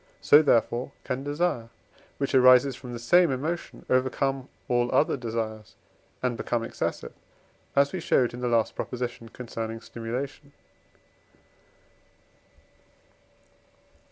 so, therefore, can desire, which arises from the same emotion, overcome all other desires, and become excessive, as we showed in the last proposition concerning stimulation.